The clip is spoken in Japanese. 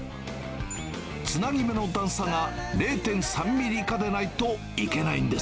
つなぎ目の段差が０．３ミリ以下でないといけないんです。